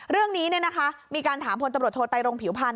เรื่องนี้เนี่ยนะคะมีการถามผลตำรวจโทรไตรงผิวพันธ์